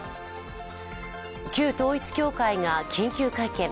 旧統一教会が緊急会見。